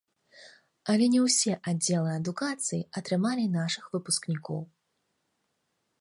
Але не ўсе аддзелы адукацыі атрымалі нашых выпускнікоў.